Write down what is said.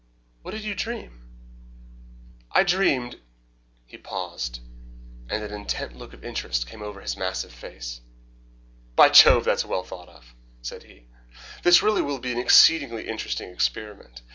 "What did you dream?" "I dreamed " He paused, and an intent look of interest came over his massive face. "By Jove, that's well thought of," said he. "This really will be an exceedingly interesting experiment.